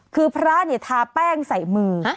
คือพระเนี่ยทาแป้งใส่มือ